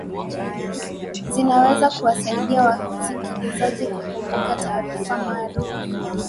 zinaweza kuwasaidia wasikilizaji kukunbuka taarifa maalum